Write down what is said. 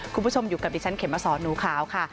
คุณผู้ชมอยู่กับดิฉันเขมสอนหนูขาวค่ะ